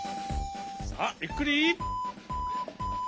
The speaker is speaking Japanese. さあゆっくり！